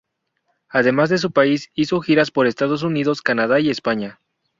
Además de su país, hizo giras por Estados Unidos, Canadá y España.